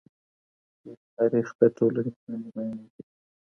شعري تاریخ د ټولني کړنې بیانوي.